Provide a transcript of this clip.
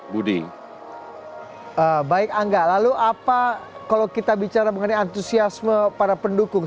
budi baik angga lalu apa kalau kita bicara mengenai antusiasme para pendukung